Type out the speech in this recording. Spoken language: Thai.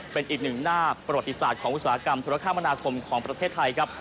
เป็นอีกหนึ่งหน้าประวัติศาสตร์ของอุตสาหกรรมธุรกรรมนาคมของประเทศไทยครับ